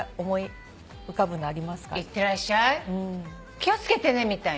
気を付けてねみたいな。